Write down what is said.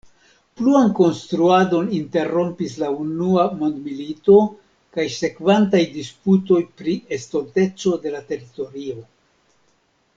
Pluan konstruadon interrompis la unua mondmilito kaj sekvantaj disputoj pri estonteco de la teritorio.